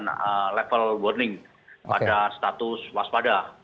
dengan level warning pada status waspada